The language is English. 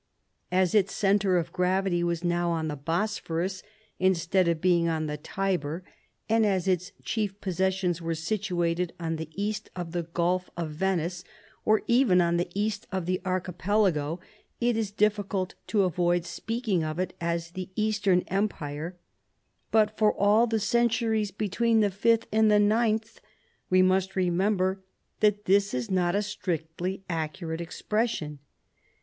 As its centre of gravity was now on the Bosphorus instead of being on the Tiber, and as its chief possessions were situated on the east of the Gulf of Venice, or even on the east of the Archipelago, it is difficult to avoid speaking of it as the eastern empire ; but for all the centuries between the fifth and the ninth we must remember that this is not a strictly accurate expression.